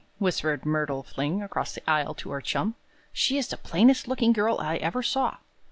whispered Myrtle Fling across the aisle to her chum. "She is the plainest looking girl I ever saw."